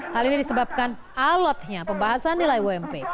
hal ini disebabkan alotnya pembahasan nilai ump